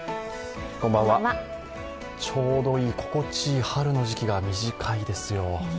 ちょうどいい、心地いい春の時期が短いですよ。